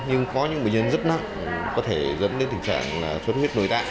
nhưng có những bệnh nhân rất nặng có thể dẫn đến tình trạng xuất huyết nối tạng